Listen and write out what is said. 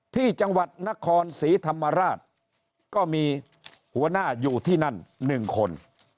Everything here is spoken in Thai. ที่จังหวัดนครศรีธรรมราชก็มีหัวหน้าอยู่ที่นั่น๑คน